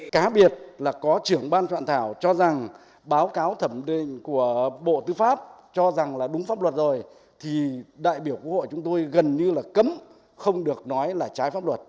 cá biệt là có trưởng ban soạn thảo cho rằng báo cáo thẩm định của bộ tư pháp cho rằng là đúng pháp luật rồi thì đại biểu quốc hội chúng tôi gần như là cấm không được nói là trái pháp luật